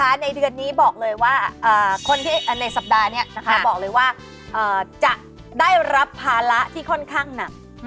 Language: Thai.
ในเดือนนี้บอกเลยว่าคนที่ในสัปดาห์นี้บอกเลยว่าจะได้รับภาระที่ค่อนข้างหนัก